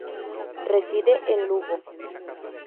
Reside en Lugo.